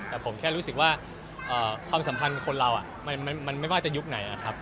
แต่ผมแค่รู้สึกว่าความสัมพันธ์คนเรามันไม่ว่าจะยุคไหนนะครับ